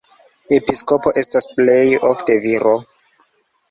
Episkopo estas plej ofte viro.